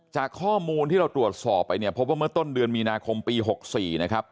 จากข้อมูลที่เราตรวจสอบไปเนี่ยพบว่าเมื่อต้นเดือนมีนาคมปี๖๔นะครับ